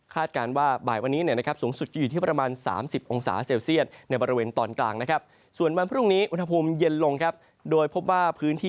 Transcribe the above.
คาดการณ์ว่าบ่ายวันนี้สูงสุดจะอยู่ที่ประมาณ๓๐องศาเซลเซียต